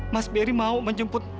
mas beri mau menjemput